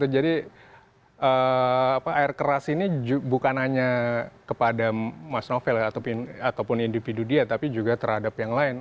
jadi air keras ini bukan hanya kepada mas novel ataupun individu dia tapi juga terhadap yang lain